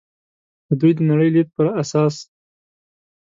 د دوی د نړۍ لید پر اساس.